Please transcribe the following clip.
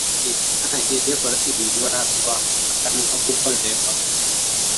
A nan take ana iya jefa rashin yiyuwan haduwa tsakanin abubuwar daya faru.